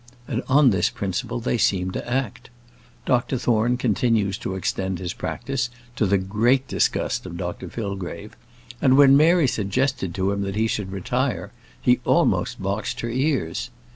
And on this principle they seem to act. Dr Thorne continues to extend his practice, to the great disgust of Dr Fillgrave; and when Mary suggested to him that he should retire, he almost boxed her ears.